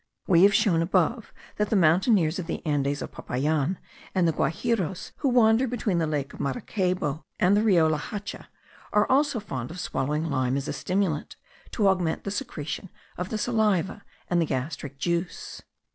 We have shown above that the mountaineers of the Andes of Popayan, and the Guajiros, who wander between the lake of Maracaybo and the Rio la Hacha, are also fond of swallowing lime as a stimulant, to augment the secretion of the saliva and the gastric juice.